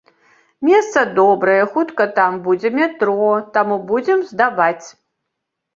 Месца добрае, хутка там будзе метро, таму будзем здаваць.